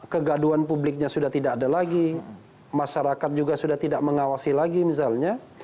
kegaduan publiknya sudah tidak ada lagi masyarakat juga sudah tidak mengawasi lagi misalnya